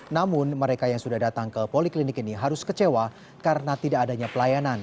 namun mereka yang sudah datang ke poliklinik ini harus kecewa karena tidak adanya pelayanan